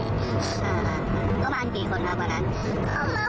หนูก็ไม่ได้ถามเขาว่าเสียงจะเป็นไง